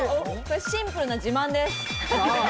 シンプルな自慢です。